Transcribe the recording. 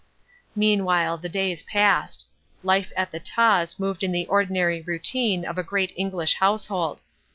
Meanwhile the days passed. Life at the Taws moved in the ordinary routine of a great English household.